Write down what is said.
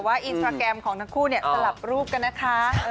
อินสตราแกรมของทั้งคู่สลับรูปกันนะคะ